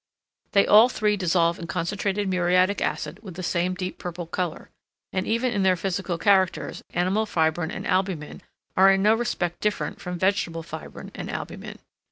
They all three dissolve in concentrated muriatic acid with the same deep purple colour, and even in their physical characters, animal fibrine and albumen are in no respect different from vegetable fibrine and albumen.